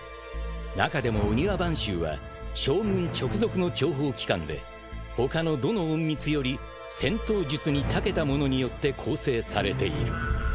［中でも御庭番衆は将軍直属の諜報機関で他のどの隠密より戦闘術にたけた者によって構成されている］